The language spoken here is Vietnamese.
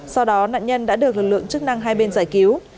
sau đó nạn nhân đã được lực lượng chức năng hai bên giải cứu